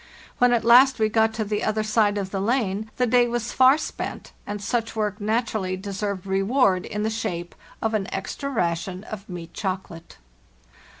When at last we got to the other side of the lane the day was far spent, and such work naturally deserved reward in the shape of an extra ration of meat chocolate.